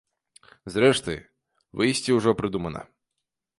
Зрэшты, выйсце ўжо прыдумана.